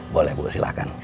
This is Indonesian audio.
boleh bu silahkan